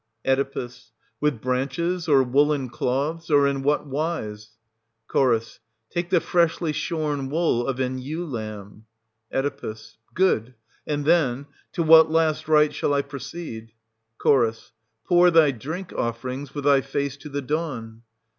Oe. With branches, or woollen cloths, or in what wise } Ch. Take the freshly shorn wool of an ewe lamb. Oe. Good ; and then, — to what last rite shall I proceed ? Ch. Pour thy drink offerings, with thy face to the dawn.